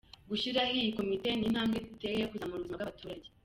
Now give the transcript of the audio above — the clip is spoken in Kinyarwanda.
Gushyiraho iyi komite ni intambwe duteye yo kuzamura ubuzima bw’abaturage.